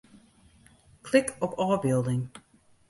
Klik op ôfbylding.